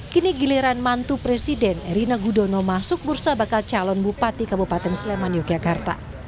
kini giliran mantu presiden erina gudono masuk bursa bakal calon bupati kabupaten sleman yogyakarta